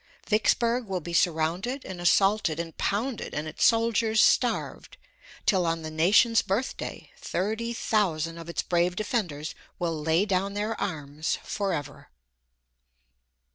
Vicksburg will be surrounded and assaulted and pounded and its soldiers starved, till, on the nation's birthday, thirty thousand of its brave defenders will lay down their arms forever.